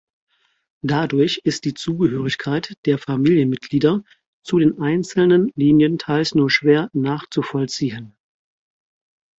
Dadurch ist die Zugehörigkeit der Familienmitglieder zu den einzelnen Linien teils nur schwer nachzuvollziehen.